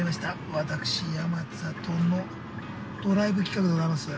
私、山さとのドライブ企画でございます。